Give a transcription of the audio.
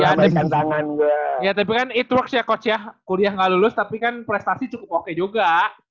ya tapi kan itu works ya coach ya kuliah gak lulus tapi kan prestasi cukup oke juga